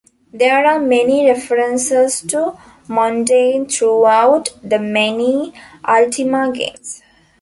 There are many references to Mondain throughout the many Ultima games.